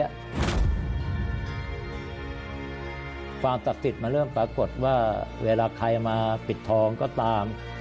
ความตักศิษย์มันเรื่องปรากฏว่าเวลาใครมาปิดทองก็ตาม